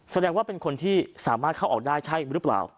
แสดงว่าเป็นคนที่สามารถเข้าออกได้ใช่หรือเปล่า